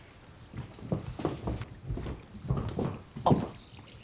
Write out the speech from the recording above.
あっ。